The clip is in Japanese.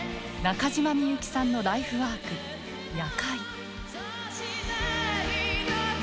中島みゆきさんのライフワーク「夜会」。